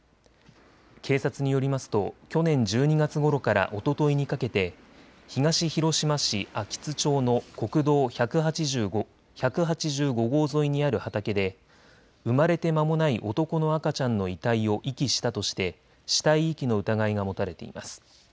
警察によりますと去年１２月ごろからおとといにかけて東広島市安芸津町の国道１８５号沿いにある畑で産まれて間もない男の赤ちゃんの遺体を遺棄したとして死体遺棄の疑いが持たれています。